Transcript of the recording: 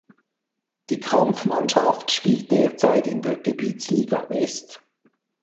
Die Kampfmannschaft spielt derzeit in der Gebietsliga West.